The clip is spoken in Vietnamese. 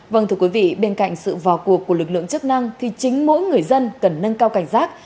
vâng thưa quý vị bên cạnh sự vào cuộc của lực lượng chức năng thì chính mỗi người dân cần nâng cao cảnh giác